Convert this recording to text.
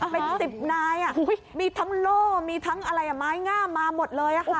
เป็น๑๐นายมีทั้งโล่มีทั้งอะไรไม้งามมาหมดเลยค่ะ